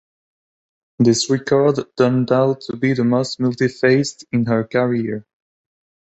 This record turned out to be the most multifaced in her career.